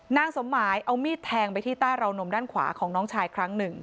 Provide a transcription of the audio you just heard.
นางสมหมายเอามีดแทงไปที่ใต้ราวนมด้านขวาของน้องชายครั้งหนึ่ง